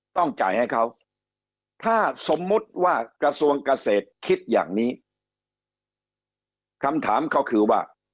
ต้องจ่ายให้เขาถ้าสมมุติว่ากระทรวงเกษตรคิดอย่างนี้คำถามก็คือว่า